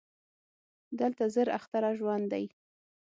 دلته زر اختره ژوند دی